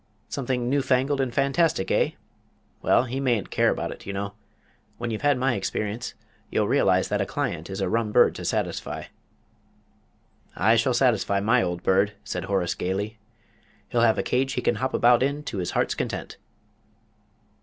"Something new fangled and fantastic, eh? Well, he mayn't care about it, you know. When you've had my experience, you'll realise that a client is a rum bird to satisfy." "I shall satisfy my old bird," said Horace, gaily. "He'll have a cage he can hop about in to his heart's content."